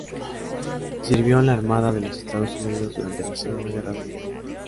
Sirvió en la Armada de los Estados Unidos durante la Segunda Guerra Mundial.